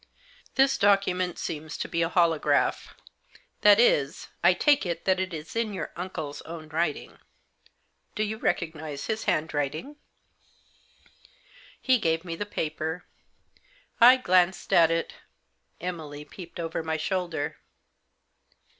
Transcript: This document seems to be a holograph — that is, I take it that it is in your uncle's own writing. Do you recognise his handwriting ?" He gave me the paper. I glanced at it Emily peeped over my shoulder.